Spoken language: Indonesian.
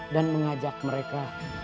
dan mengajak mereka